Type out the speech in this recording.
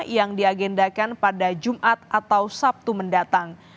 yang diagendakan pada jumat atau sabtu mendatang